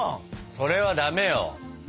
それはダメよ。